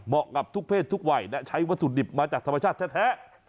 กับทุกเพศทุกวัยและใช้วัตถุดิบมาจากธรรมชาติแท้